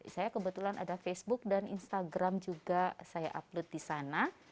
saya kebetulan ada facebook dan instagram juga saya upload di sana